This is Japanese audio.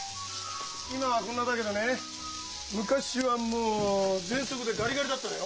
今はこんなだけどね昔はもう喘息でガリガリだったのよ。